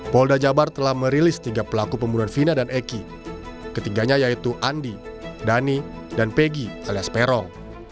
polda jabar telah merilis tiga pelaku pembunuhan fina dan eki ketingganya yaitu andi dani dan peggy alias perong